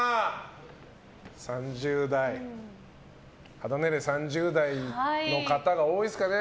肌年齢３０代の方が多いですかね。